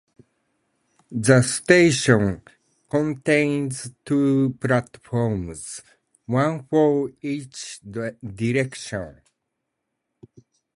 The station contains two platforms, one for each direction.